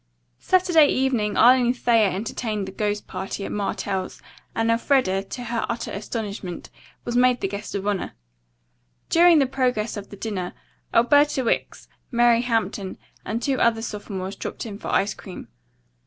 Saturday evening Arline Thayer entertained the ghost party at Martell's, and Elfreda, to her utter astonishment, was made the guest of honor. During the progress of the dinner, Alberta Wicks, Mary Hampton and two other sophomores dropped in for ice cream.